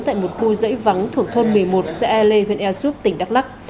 tại một khu dãy vắng thuộc thôn một mươi một xe ale huyện ersup tỉnh đắk lắc